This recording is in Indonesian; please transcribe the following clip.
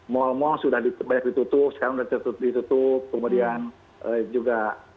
mal mal sudah banyak ditutup sekarang sudah ditutup kemudian juga